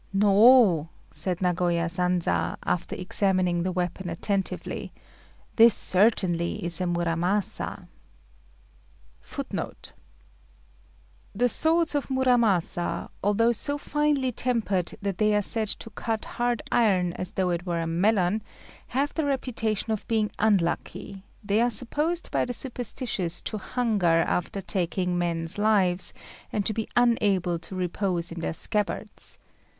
"No," said Nagoya Sanza, after examining the weapon attentively, "this certainly is a Muramasa." [Footnote 27: The swords of Muramasa, although so finely tempered that they are said to cut hard iron as though it were a melon, have the reputation of being unlucky: they are supposed by the superstitious to hunger after taking men's lives, and to be unable to repose in their scabbards.